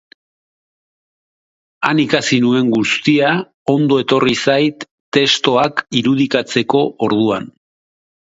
Han ikasi nuen guztia ondo etorri zait testoak irudikatzeko orduan.